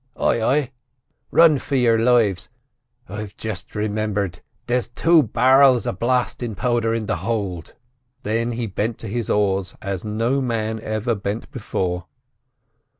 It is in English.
"Ay, ay!" "Run for your lives—I've just rimimbered—there's two bar'ls of blastin' powther in the hould!" Then he bent to his oars, as no man ever bent before.